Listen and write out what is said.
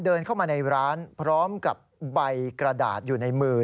เดินเข้ามาในร้านพร้อมกับใบกระดาษอยู่ในมือ